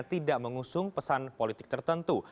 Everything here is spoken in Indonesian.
tidak mengusung pesan politik tertentu